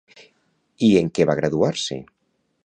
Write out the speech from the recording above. I en què va graduar-se?